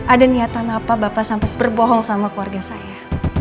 ada niatan apa bapak sampai berbohong sama keluarga saya